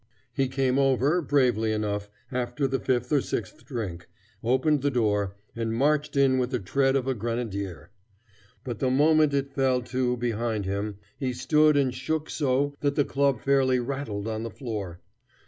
He came over, bravely enough, after the fifth or sixth drink, opened the door, and marched in with the tread of a grenadier. But the moment it fell to behind him, he stood and shook so that the club fairly rattled on the floor.